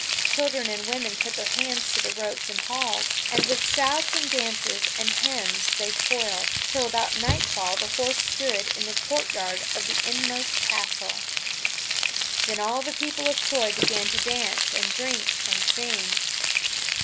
Children and women put their hands to the ropes and hauled, and with shouts and dances, and hymns they toiled, till about nightfall the horse stood in the courtyard of the inmost castle. Then all the people of Troy began to dance, and drink, and sing.